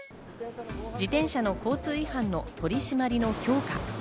自転車の交通違反の取り締まりの強化。